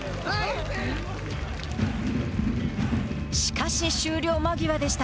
しかし、終了間際でした。